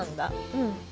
うん。